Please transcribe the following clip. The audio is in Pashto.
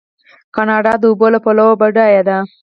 کاناډا د اوبو له پلوه بډایه ده.